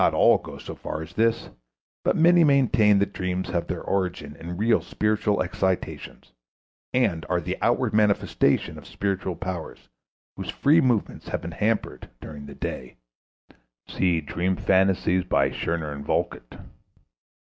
Not all go so far as this, but many maintain that dreams have their origin in real spiritual excitations, and are the outward manifestations of spiritual powers whose free movements have been hampered during the day ("Dream Phantasies," Scherner, Volkelt).